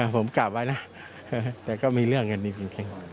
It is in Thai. ผมกลับไปนะแต่ก็มีเรื่องกันอยู่